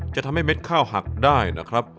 จะทำให้เม็ดข้าวหักได้นะครับ